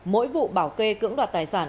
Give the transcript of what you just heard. mỗi vụ bảo kê cưỡng đoạt tài sản